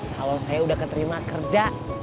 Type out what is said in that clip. kalau saya udah keterima kerja